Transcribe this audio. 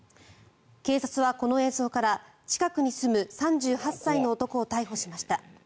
警察は、この映像から近くに住む３８歳の男を逮捕しました。